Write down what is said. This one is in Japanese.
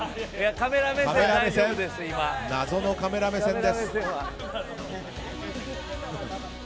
謎のカメラ目線です。